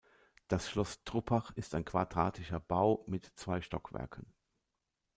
Das Schloss Truppach ist ein quadratischer Bau mit zwei Stockwerken.